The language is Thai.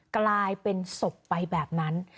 กลายเป็นศพไปแบบนั้น